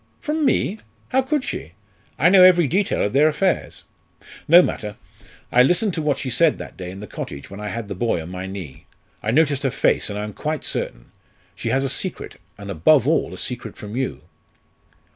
"From me! how could she? I know every detail of their affairs." "No matter. I listened to what she said that day in the cottage when I had the boy on my knee. I noticed her face, and I am quite certain. She has a secret, and above all a secret from you."